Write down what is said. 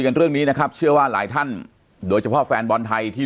เรื่องนี้นะครับเชื่อว่าหลายท่านโดยเฉพาะแฟนบอลไทยที่